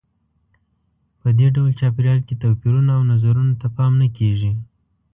په دې ډول چاپېریال کې توپیرونو او نظرونو ته پام نه کیږي.